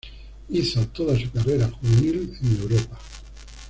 Hizo toda su carrera juvenil en Europa.